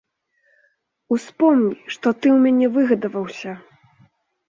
Успомні, што ты ў мяне выгадаваўся!